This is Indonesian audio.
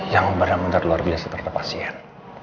yang bener bener luar biasa terhadap pasien